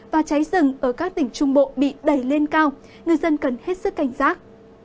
và cháy rừng ở các tỉnh trung bộ bị đẩy lên cao người dân cần hết sức cảnh giác